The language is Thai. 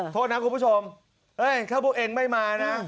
โทษนะคุณผู้ชมถ้าพวกเองไม่มานะ